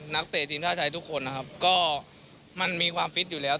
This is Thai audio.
เตะทีมชาติไทยทุกคนนะครับก็มันมีความฟิตอยู่แล้ว